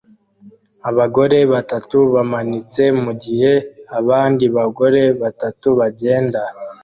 abagore batatu bamanitse mugihe abandi bagore batatu bagenda